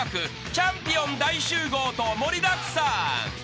チャンピオン大集合と盛りだくさん］